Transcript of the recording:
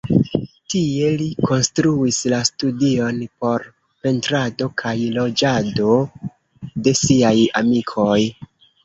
Tie li konstruis la studion por pentrado kaj loĝado de siaj amikoj.